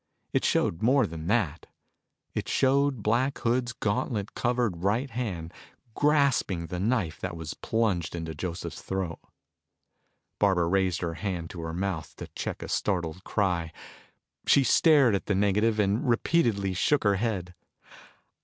It showed more than that. It showed Black Hood's gauntlet covered right hand grasping the knife that was plunged into Joseph's throat. Barbara raised her hand to her mouth to check a startled cry. She stared at the negative and repeatedly shook her head.